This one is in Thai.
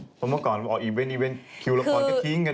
เพราะเมื่อก่อนออกอีเว้นคู่ละครก็ทิ้งกัน